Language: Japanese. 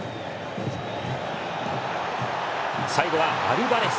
最後はアルバレス！